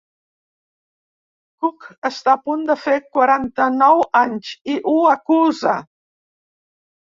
Cook està a punt de fer quaranta-nou anys i ho acusa.